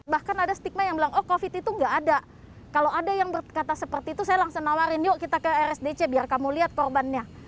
bahkan ada stigma yang bilang oh covid itu nggak ada kalau ada yang berkata seperti itu saya langsung nawarin yuk kita ke rsdc biar kamu lihat korbannya